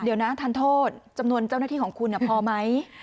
เดี๋ยวนะทันโทษจำนวนเจ้าหน้าที่ของคุณพอไหม